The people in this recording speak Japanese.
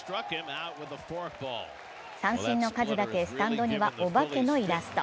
三振の数だけスタンドにはお化けのイラスト。